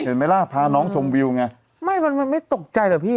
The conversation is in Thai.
เห็นไหมล่ะพาน้องทรงวิวไงไม่มันไม่ตกใจเลยพี่